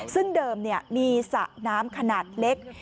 ซึ่งเดิมมีสระน้ำขนาดเล็ก